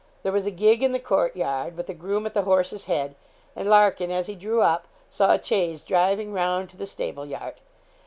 There was a gig in the court yard, with a groom at the horse's head, and Larkin, as he drew up, saw a chaise driving round to the stable yard.